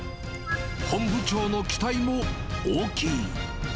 本部長の期待も大きい。